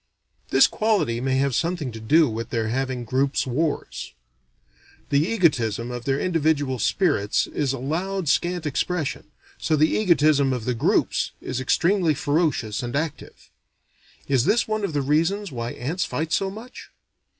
This quality may have something to do with their having groups wars. The egotism of their individual spirits is allowed scant expression, so the egotism of the groups is extremely ferocious and active. Is this one of the reasons why ants fight so much?